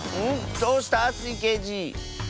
どうした⁉スイけいじ。